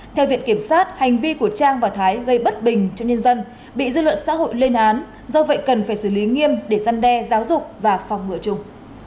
theo viện kiểm sát hành vi của trang và thái gây bất bình cho nhân dân bị dư luận xã hội lên án do vậy cần phải xử lý nghiêm để gian đe giáo dục và phòng ngựa chung